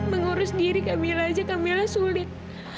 mengurus diri kamilah saja kamilah sulit